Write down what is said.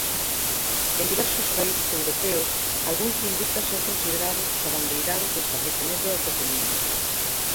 En diversos países europeos algúns lingüistas son considerados os abandeirados do establecemento da toponimia.